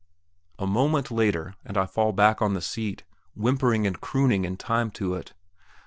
A moment later, and I fall back on the seat, whimpering and crooning in time to it.